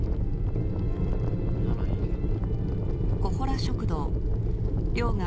ならいいけど。